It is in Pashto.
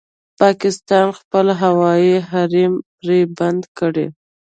پاکستان خپل هوايي حريم پرې بند کړی